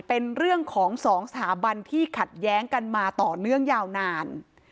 เป็นเรื่องของสองสถาบันที่ขัดแย้งกันมาต่อเนื่องยาวนาน